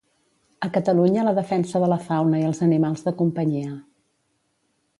A Catalunya la defensa de la fauna i els animals de companyia.